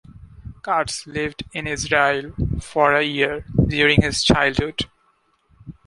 Katz lived in Israel for a year during his childhood.